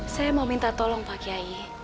saya mau minta tolong pak kiai